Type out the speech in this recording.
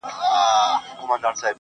دا روایت پالنه ونه منله